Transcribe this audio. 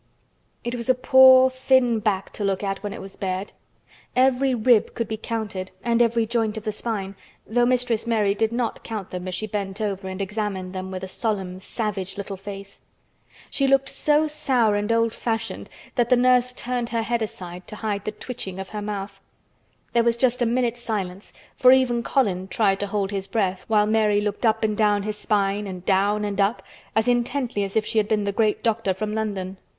It was a poor thin back to look at when it was bared. Every rib could be counted and every joint of the spine, though Mistress Mary did not count them as she bent over and examined them with a solemn savage little face. She looked so sour and old fashioned that the nurse turned her head aside to hide the twitching of her mouth. There was just a minute's silence, for even Colin tried to hold his breath while Mary looked up and down his spine, and down and up, as intently as if she had been the great doctor from London.